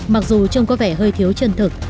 mặc dù trông có vẻ hơi thiếu chân thực